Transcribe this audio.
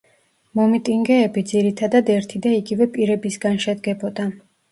მომიტინგეები ძირითადად ერთი და იგივე პირებისგან შედგებოდა.